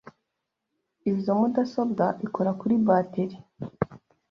Izoi mudasobwa ikora kuri bateri.